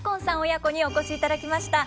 親子にお越しいただきました。